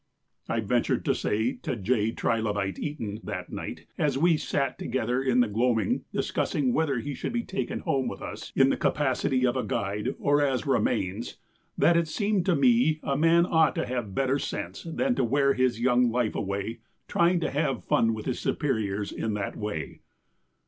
I ventured to say to J. Trilobite Eton that night as we all sat together in the gloaming discussing whether he should be taken home with us in the capacity of a guide or as a remains, that it seemed to me a man ought to have better sense than to wear his young life away trying to have fun with his superiors in that way.